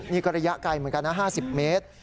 นี่ก็ระยะไกลเหมือนกันนะ๕๐เมตร